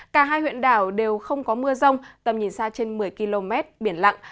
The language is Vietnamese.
cả hai huyện đảo đều không có mưa rông tầm nhìn xa trên một mươi km biển lặng